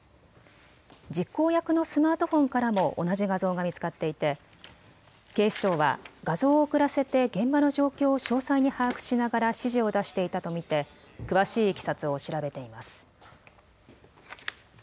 実行役のスマートフォンからも同じ画像が見つかっていて警視庁は画像を送らせて現場の状況を詳細に把握しながら指示を出していたと見て詳しいいきさつを調べています。